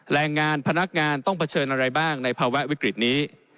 แรงงานพนักงานต้องเผชิญอะไรบ้างในภาวะวิกฤตนี้